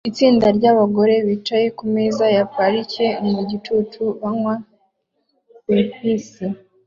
Itsinda ryabagore bicaye kumeza ya parike mugicucu banywa pepsi